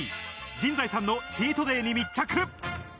陣在さんのチートデイに密着。